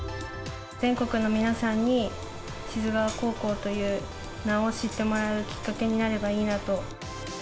全国の皆さんに、志津川高校という名を知ってもらえるきっかけになればいいなと。